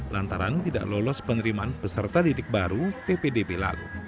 lantaran tidak lolos penerimaan peserta didik baru ppdb lalu